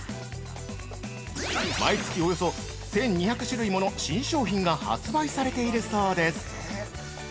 毎月およそ１２００種類もの新商品が発売されているそうです。